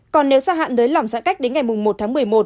còn nếu gia hạn nới lỏng giãn cách đến ngày một tháng một mươi một